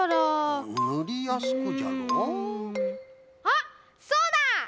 あっそうだ！